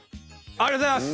ありがとうございます。